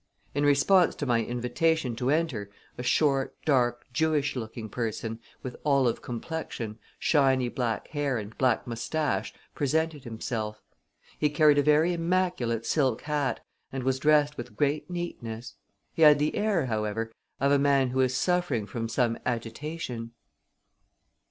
In response to my invitation to enter a short, dark, Jewish looking person, with olive complexion, shiny black hair and black mustache, presented himself. He carried a very immaculate silk hat and was dressed with great neatness. He had the air, however, of a man who is suffering from some agitation.